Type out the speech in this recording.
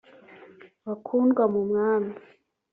Bakundwa mu Mwami